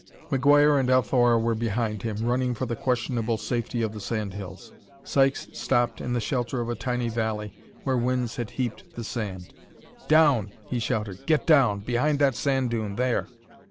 McGuire and Althora were behind him, running for the questionable safety of the sand hills. Sykes stopped in the shelter of a tiny valley where winds had heaped the sand. "Down!" he shouted. "Get down behind that sand dune, there!"